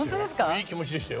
いい気持ちでしたよ。